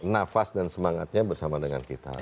nafas dan semangatnya bersama dengan kita